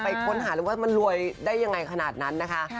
ค้นหาเลยว่ามันรวยได้ยังไงขนาดนั้นนะคะ